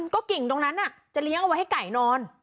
ก็กิ่งตรงนั้นจะเลี้ยงเอาไว้ให้ไก่นอน